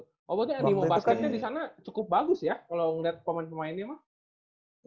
oh maksudnya di basketnya di sana cukup bagus ya kalau ngeliat kompen pemainnya mah